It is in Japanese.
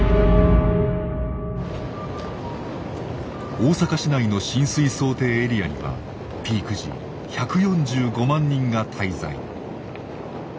大阪市内の浸水想定エリアにはピーク時１４５万人が滞在。